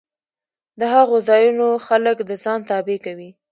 د هغو ځایونو خلک د ځان تابع کوي